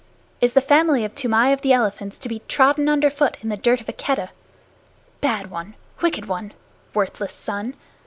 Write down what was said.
Is the family of Toomai of the Elephants to be trodden underfoot in the dirt of a Keddah? Bad one! Wicked one! Worthless son!